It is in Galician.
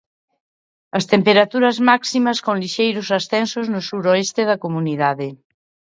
As temperaturas máximas, con lixeiros ascensos no suroeste da comunidade.